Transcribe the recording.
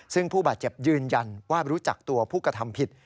ซึ่งผู้บาดเจ็บยืนยันว่ารู้จักตัวผู้กระทำผิด